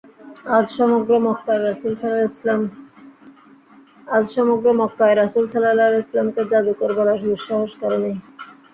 আজ সমগ্র মক্কায় রাসূল সাল্লাল্লাহু আলাইহি ওয়াসাল্লাম-কে জাদুকর বলার দুঃসাহস কারো নেই।